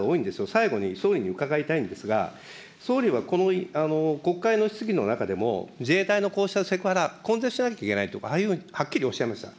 最後に、総理に伺いたいんですが、総理はこの国会の質疑の中でも、自衛隊のこうしたセクハラ、根絶しなきゃいけないとか、はっきりおっしゃいました。